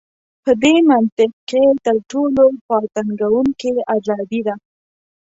په دې منطق کې تر ټولو خواتنګوونکې ازادي ده.